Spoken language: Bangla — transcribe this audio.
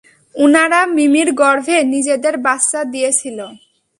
উনারা মিমি -র গর্ভে নিজেদের বাচ্চা দিয়েছিলো।